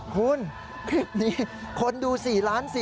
คุณคลิปนี้คนดู๔ล้าน๔๐๐